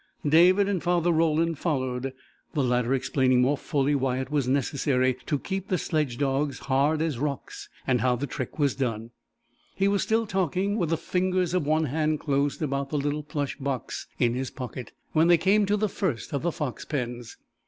David and Father Roland followed, the latter explaining more fully why it was necessary to keep the sledge dogs "hard as rocks," and how the trick was done. He was still talking, with the fingers of one hand closed about the little plush box in his pocket, when they came to the first of the fox pens.